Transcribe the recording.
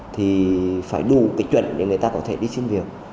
thì phải đủ cái chuẩn để người ta có thể đi xin việc